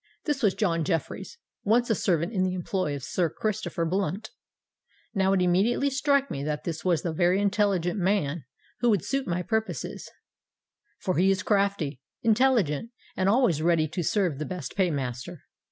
This was John Jeffreys—once a servant in the employ of Sir Christopher Blunt. Now it immediately struck me that this was the very man who would suit my purposes; for he is crafty—intelligent—and always ready to serve the best paymaster.